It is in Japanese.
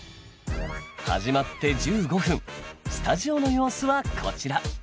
始まって１５分スタジオの様子はこちら。